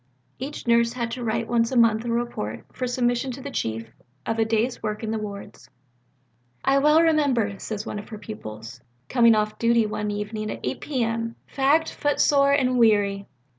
Each nurse had to write once a month a report, for submission to the Chief, of a day's work in the wards. "I well remember," says one of her pupils, "coming off duty one evening at 8 P.M. fagged, footsore, and weary.